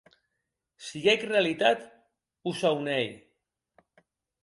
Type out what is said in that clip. Siguec realitat o saunei?